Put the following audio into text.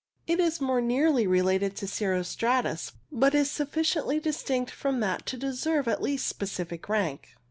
It is more nearly related to cirro stratus, but is sufficiently distinct from that to deserve at least specific rank.